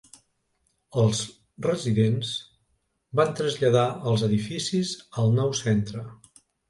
Els residents van traslladar els edificis al nou centre..